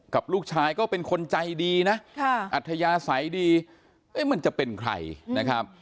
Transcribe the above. กับลูกชายก็เป็นคนใจดีนะอัธยาศัยดีมันจะเป็นใครนะครับ